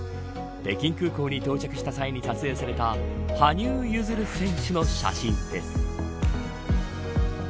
北京空港に到着した際に撮影された羽生結弦選手の写真です。